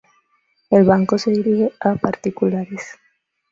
El banco se dirige a particulares.